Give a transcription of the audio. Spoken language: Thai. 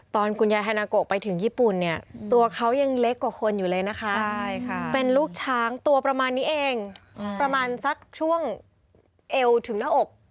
ตอนคุณยายฮานาโกไปถึงญี่ปุ่นเนี่ยตัวเขายังเล็กกว่าคนอยู่เลยนะคะเป็นลูกช้างตัวประมาณนี้เองประมาณสักช่วงเอวถึงหน้าอก